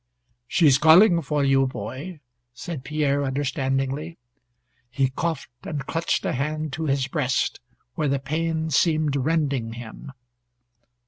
"She's calling for you, boy," said Pierre understandingly. He coughed, and clutched a hand to his breast, where the pain seemed rending him.